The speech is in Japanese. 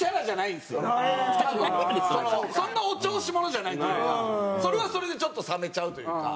そんなお調子者じゃないというかそれはそれでちょっと冷めちゃうというか。